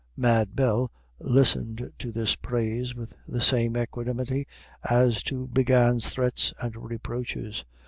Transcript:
Mad Bell listened to this praise with the same equanimity as to Big Anne's threats and reproaches.